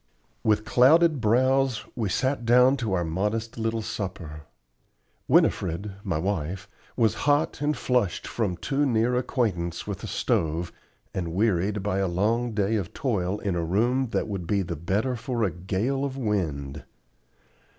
With clouded brows we sat down to our modest little supper. Winifred, my wife, was hot and flushed from too near acquaintance with the stove, and wearied by a long day of toil in a room that would be the better for a gale of wind.